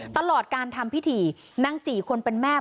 ตลอดการทำพิธีนางจีคนเป็นแม่